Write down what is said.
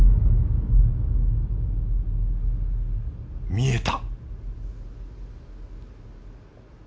見えた！